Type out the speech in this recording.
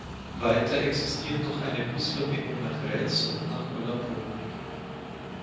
Weiter existiert noch eine Busverbindung nach Retz und nach Hollabrunn.